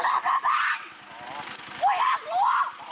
มันตกมาตีอยู่ทำไมอ่ะ